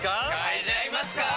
嗅いじゃいますか！